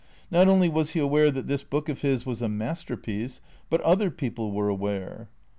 Xot only was he aware that this book of his was a masterpiece, but other people were aware.